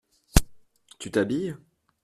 Tu t’habilles ?